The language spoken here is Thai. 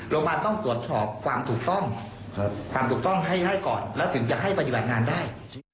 โรงพยาบาลต้องตรวจสอบความถูกต้องความถูกต้องให้ก่อนแล้วถึงจะให้ปฏิบัติงานได้